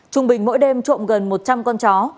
trung bình mỗi đêm trộm gần một trăm linh con chó